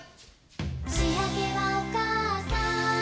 「しあげはおかあさん」